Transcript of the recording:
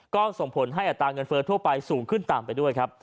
ก็ส่งผลให้อัตราเงินเฟ้อทั่วไปสูงขึ้นตามไปด้วยครับ